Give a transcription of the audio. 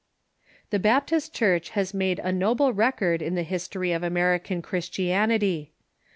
The Baptist Church has made a noble record in the history of American Christianity.